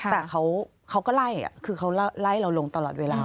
แต่เขาก็ไล่คือเขาไล่เราลงตลอดเวลา